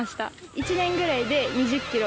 １年ぐらいで２０キロ